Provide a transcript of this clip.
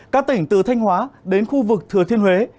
các tỉnh từ thanh hóa đến khu vực thừa thiên huế